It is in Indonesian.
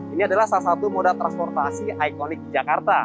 ini adalah salah satu moda transportasi ikonik jakarta